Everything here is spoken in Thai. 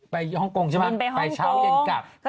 ไปห้องโกงใช่มั้ยไปเช้ายังกลับ